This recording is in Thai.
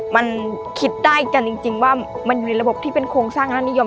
มันคิดได้กันจริงว่ามันอยู่ในระบบที่เป็นโครงสร้างและนิยม